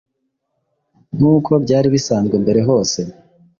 nkuko byari bisanzwe mbere hose